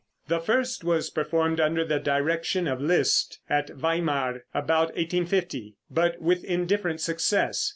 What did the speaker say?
The first was performed under the direction of Liszt at Weimar, about 1850, but with indifferent success.